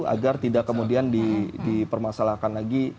agar tidak kemudian dipermasalahkan lagi